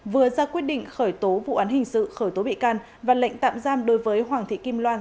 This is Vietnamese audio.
vừa ra quyết định khởi tố vụ án hình sự khởi tố bị can và lệnh tạm giam đối với hoàng thị kim loan